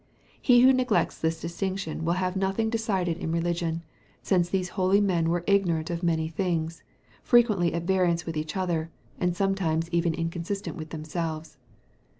He who neglects this distinction will have nothing decided in religion; since those holy men were ignorant of many things, frequently at variance with each other, and sometimes even inconsistent with themselves.